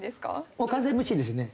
もう完全無視ですね。